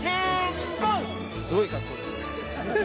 すごい格好ですね。